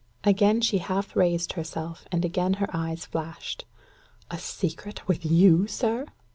Again she half raised herself, and again her eyes flashed. "A secret with you, sir!"